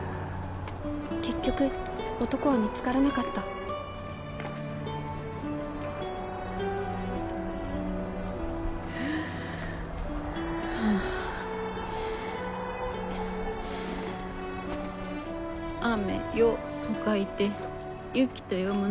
結局男は見つからなかった「雨」「ヨ」と書いて「雪」と読むのやからな。